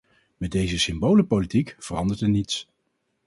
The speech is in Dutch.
Met deze symbolenpolitiek verandert er niets.